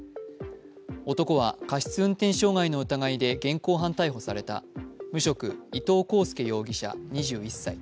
男は過失運転傷害の疑いで現行犯逮捕された無職、伊東航介容疑者２１歳。